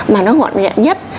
mà nó hoạn nhạc nhất